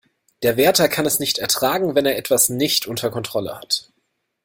Der Wärter kann es nicht ertragen, wenn er etwas nicht unter Kontrolle hat.